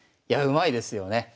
うまいですよね。